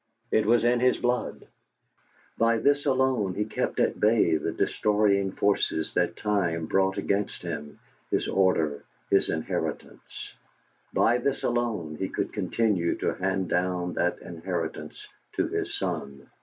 It was in his blood. By this alone he kept at bay the destroying forces that Time brought against him, his order, his inheritance; by this alone he could continue to hand down that inheritance to his son.